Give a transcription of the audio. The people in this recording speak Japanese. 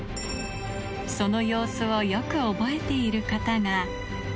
その様子をよく覚えている方が。